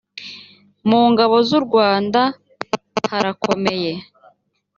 mu ngabo z u rwanda harakomeye